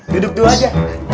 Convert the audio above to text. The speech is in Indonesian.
duduk dulu aja